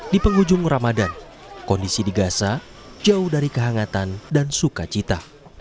di penghujung ramadan kondisi di gaza jauh dari kehangatan dan sukacita